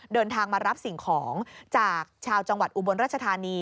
เดินทางมารับสิ่งของจากชาวจังหวัดอุบลราชธานี